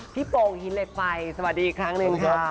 พี่โป่งหินเหล็กไฟสวัสดีครั้งหนึ่งค่ะ